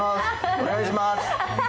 お願いします。